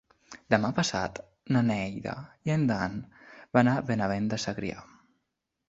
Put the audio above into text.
Demà passat na Neida i en Dan van a Benavent de Segrià.